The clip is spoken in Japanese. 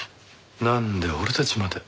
なんで俺たちまで。